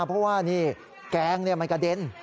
เพราะว่านี่แกงมันกระเด็น